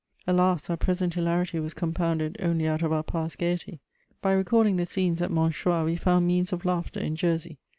Alas, our present hilarity was compounded only out of our past gaiety! By recalling the scenes at Monchoix we found means of laughter in Jersey.